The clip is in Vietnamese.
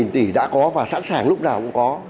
một trăm hai mươi tỷ đã có và sẵn sàng lúc nào cũng có